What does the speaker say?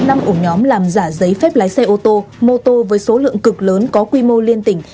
năm ổ nhóm làm giả giấy phép lái xe ô tô mô tô với số lượng cực lớn có quy mô liên tỉnh